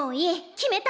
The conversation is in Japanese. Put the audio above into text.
決めた！